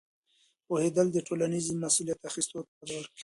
پوهېدل د ټولنیزې مسؤلیت اخیستلو ته وده ورکوي.